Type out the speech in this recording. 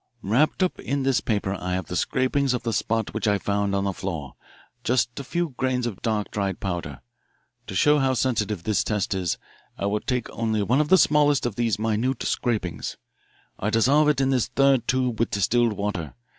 "Wrapped up in this paper I have the scrapings of the spot which I found on the floor just a few grains of dark, dried powder. To show how sensitive the test is, I will take only one of the smallest of these minute scrapings. I dissolve it in this third tube with distilled water.